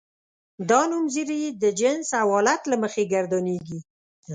دا نومځري د جنس او حالت له مخې ګردانیږي.